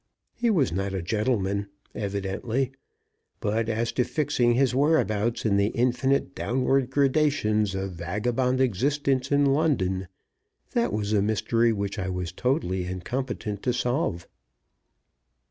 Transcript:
He was not a gentleman, evidently; but as to fixing his whereabouts in the infinite downward gradations of vagabond existence in London, that was a mystery which I was totally incompetent to solve.